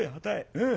うん。